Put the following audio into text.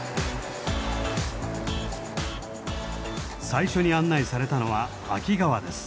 最初に案内されたのは秋川です。